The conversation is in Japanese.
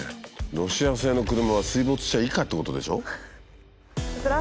ロシア製の車は水没車以下ってことでしょ？